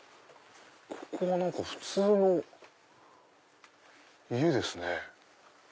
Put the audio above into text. ここは何か普通の家ですね。